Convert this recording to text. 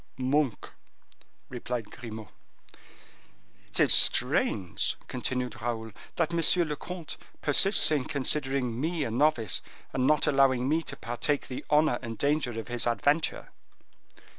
"Monk," replied Grimaud. "It is strange," continued Raoul, "that monsieur le comte persists in considering me a novice, and not allowing me to partake the honor and danger of his adventure."